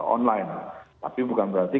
online tapi bukan berarti